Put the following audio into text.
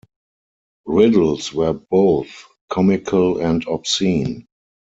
Riddles were both comical and obscene.